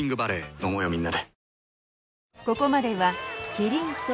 飲もうよみんなで。